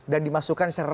dan dimasukkan seram